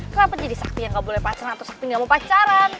kenapa jadi sakti yang nggak boleh pacaran atau sapi gak mau pacaran